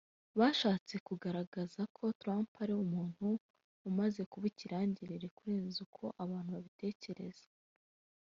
bashatse kugaragaza ko Trump ari umuntu umaze kuba ikirangirire kurenza uko abantu babitekereza